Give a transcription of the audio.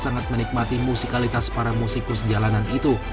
sangat menikmati musikalitas para musikus jalanan itu